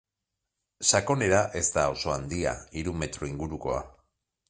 Sakonera ez da oso handia, hiru metro ingurukoa.